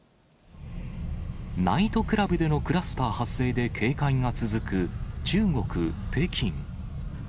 ナイトクラブでのクラスター発生で、警戒が続く中国・北京。